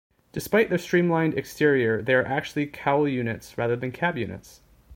Despite their streamlined exterior, they are actually cowl units rather than cab units.